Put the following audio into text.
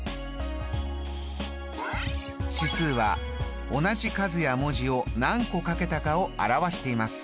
指数は同じ数や文字を何個かけたかを表しています。